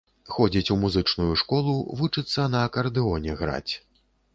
Ходзіць у музычную школу, вучыцца на акардэоне граць.